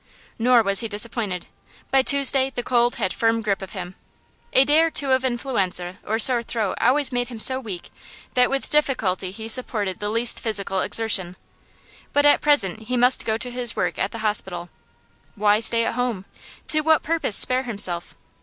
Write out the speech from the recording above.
Nor was he disappointed. By Tuesday the cold had firm grip of him. A day or two of influenza or sore throat always made him so weak that with difficulty he supported the least physical exertion; but at present he must go to his work at the hospital. Why stay at home? To what purpose spare himself?